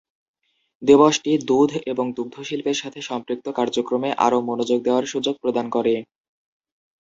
দিবসটি দুধ এবং দুগ্ধ শিল্পের সাথে সম্পৃক্ত কার্যক্রমে আরো মনোযোগ দেওয়ার সুযোগ প্রদান করে।